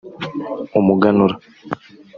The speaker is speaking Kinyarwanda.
umuganura